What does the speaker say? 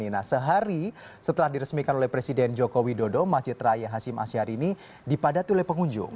nah sehari setelah diresmikan oleh presiden joko widodo masjid raya hashim asyari ini dipadati oleh pengunjung